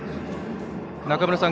中村さん